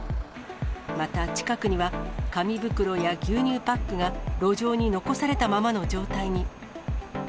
また近くには、紙袋や牛乳パックが路上に残されたままの状態に。